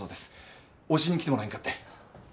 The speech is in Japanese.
往診に来てもらえんかって。